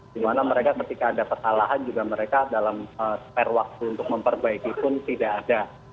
di mana mereka ketika ada kesalahan juga mereka dalam spare waktu untuk memperbaiki pun tidak ada